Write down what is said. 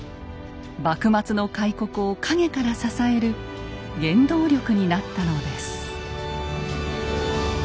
幕末の開国を陰から支える原動力になったのです。